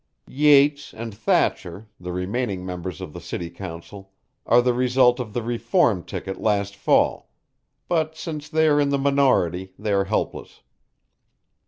Yates and Thatcher, the remaining members of the city council, are the result of the reform ticket last fall, but since they are in the minority, they are helpless."